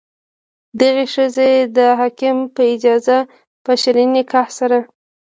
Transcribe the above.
دغې ښځې د حاکم په اجازه په شرعي نکاح سره.